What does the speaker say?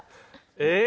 えっ？